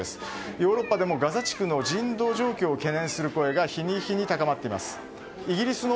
ヨーロッパでもガザ地区の人道状況を懸念する声が日に日に高まっています。